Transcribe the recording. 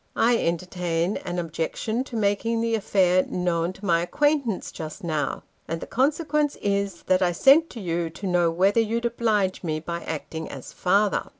I entertain an objection to making the affair known to my acquaintance just now ; and the consequence is, that I sent to you to know whether you'd oblige me by acting as father."